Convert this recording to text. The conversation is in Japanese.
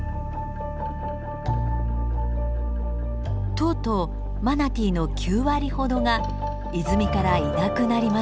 とうとうマナティーの９割ほどが泉からいなくなりました。